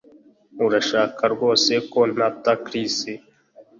Urashaka rwose ko ntata Chris